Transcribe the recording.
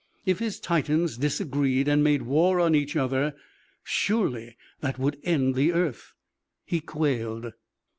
If his Titans disagreed and made war on each other surely that would end the earth. He quailed.